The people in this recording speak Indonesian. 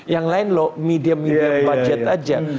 yang lain loh medium medium budget aja